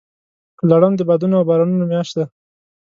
لړم د بادونو او بارانونو میاشت ده.